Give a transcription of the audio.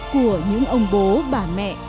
của những ông bố bà mẹ